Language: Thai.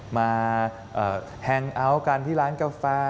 มาแฮงอัลการที่ร้านกาแฟ